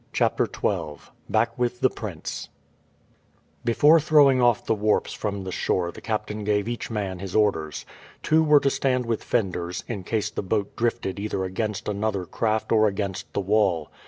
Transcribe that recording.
CHAPTER XII BACK WITH THE PRINCE Before throwing off the warps from the shore the captain gave each man his orders. Two were to stand with fenders, in case the boat drifted either against another craft or against the wall.